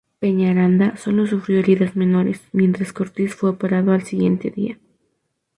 Peñaranda solo sufrió heridas menores, mientras que Ortiz fue operado al siguiente día.